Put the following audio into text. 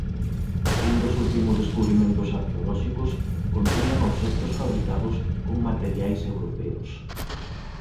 Un dos últimos descubrimentos arqueolóxicos contiñan obxectos fabricados con materiais europeos.